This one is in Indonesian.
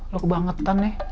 lo kebangetan nih